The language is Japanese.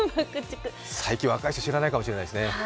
最近、若い人知らないかもしれないですね。